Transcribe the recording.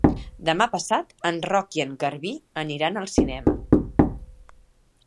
Demà passat en Roc i en Garbí aniran al cinema.